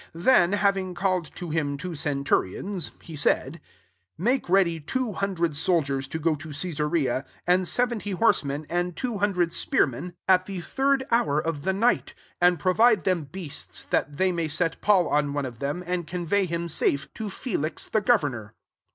23 Then, having called to him two centurions, he saidt '* Make ready two hundred sol^ diers to go to Casarea, and ae veaty horsemen^ and two huar dred spearmen, at the third •21 %i& ACTS XXIV. hour of the night ; 94 and pro vide them beasts, that they may set Paul on one of them^ and convey him safe to Felix the governor.